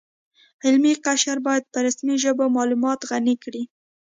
علمي قشر باید په رسمي ژبو کې معلومات غني کړي